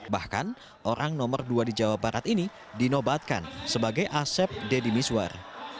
bahkan orang nomor dua di jawa barat ini dinobatkan sebagai asep deddy miswar